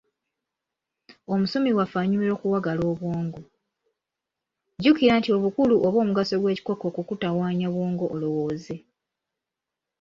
Omusomi waffe anyumirwa okuwagala obwongo, jjukira nti obukulu oba omugaso gw'ekikokko kukutawaanya bwongo olowooze.